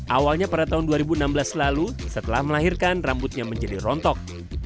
awalnya pada tahun dua ribu enam belas lalu setelah melahirkan rambutnya menjadi rontok